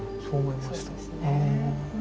そうですねえ。